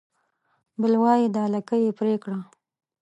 بل وای دا لکۍ يې پرې کړه